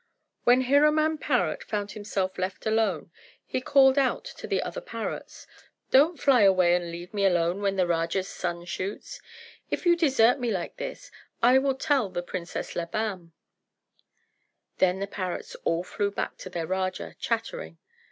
When Hiraman parrot found himself left alone, he called out to the other parrots, "Don't fly away and leave me alone when the Raja's son shoots. If you desert me like this, I will tell the Princess Labam." Then the parrots all flew back to their Raja, chattering.